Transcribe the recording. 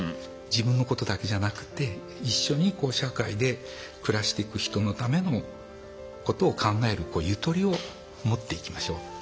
自分のことだけじゃなくて一緒に社会で暮らしていく人のためのことを考えるゆとりを持っていきましょう。